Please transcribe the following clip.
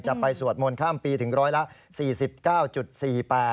ไปสวดมนต์ข้ามปีถึงร้อยละ๔๙๔๘